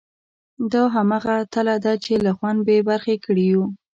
دا همغه تله ده چې له خوند بې برخې کړي یو.